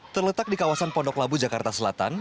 terletak di kawasan pondok labu jakarta selatan